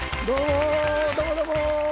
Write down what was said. どうもー！